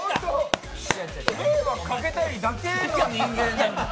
迷惑かけたいだけの人間なんです。